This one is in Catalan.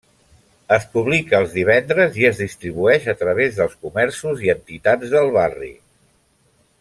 Es publica els divendres i es distribueix a través dels comerços i entitats del barri.